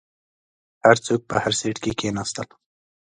هر څوک په هر سیټ کې کیناستل.